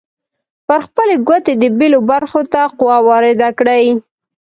پر خپلې ګوتې د بیلو برخو ته قوه وارده کړئ.